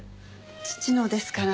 父のですから。